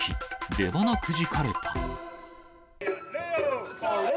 出ばなくじかれた。